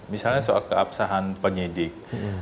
misalnya soal keabsahan penyidik